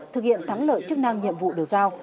thực hiện thắng lợi chức năng nhiệm vụ được giao